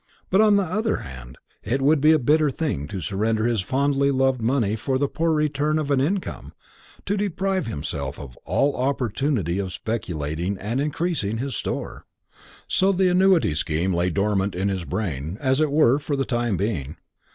But, on the other hand, it would be a bitter thing to surrender his fondly loved money for the poor return of an income, to deprive himself of all opportunity of speculating and increasing his store. So the annuity scheme lay dormant in his brain, as it were, for the time being.